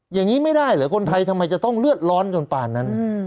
อย่างนี้ไม่ได้เหรอคนไทยทำไมจะต้องเลือดร้อนจนป่านนั้น